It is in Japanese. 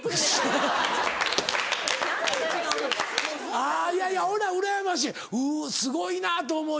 あいやいや俺はうらやましいすごいなと思う